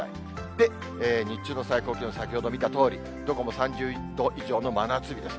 で、日中の最高気温、先ほど見たとおり、どこも３０度以上の真夏日です。